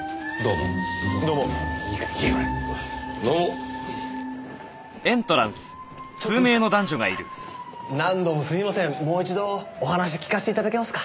もう一度お話聞かせて頂けますか？